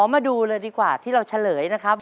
มาดูเลยดีกว่าที่เราเฉลยนะครับ